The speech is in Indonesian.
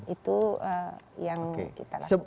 itu yang kita lakukan